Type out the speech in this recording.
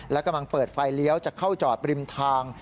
และกำลังเปิดไฟเลี้ยวจะเข้าจอดริมทาง